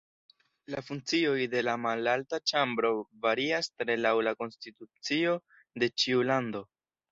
La funkcioj de la Malalta ĉambro varias tre laŭ la konstitucio de ĉiu lando.